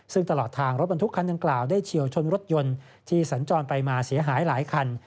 ซึ่งตลอดทางรถบรรทุกคันดังกล่าวได้เฉียวชนรถยนต์ที่สัญจรไปมาเสียหายหลายคัน